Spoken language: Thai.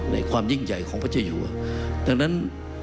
ในความยิ่งใหญ่ของพระเจ้าหญิงว่า